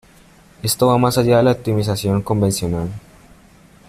Esto va más allá de la optimización convencional.